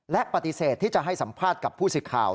และปฏิเสธที่จะให้สัมภาษณ์กับผู้สื่อข่าว